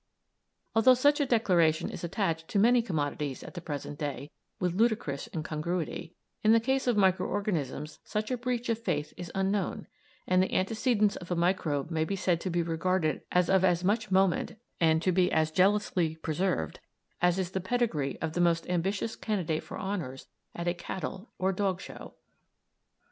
Although such a declaration is attached to many commodities at the present day with ludicrous incongruity, in the case of micro organisms such a breach of faith is unknown, and the antecedents of a microbe may be said to be regarded as of as much moment and to be as jealously preserved as is the pedigree of the most ambitious candidate for honours at a cattle or dog show!